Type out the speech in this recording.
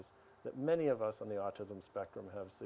bahwa banyak dari kita di spektrum autism